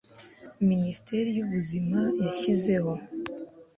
minisiteri y ubuzima yashyizeho